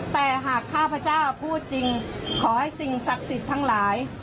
แต่หากข้าพเจ้าพูดจริงขอให้สิ่งศักดิ์สิทธิ์ทั้งหลาย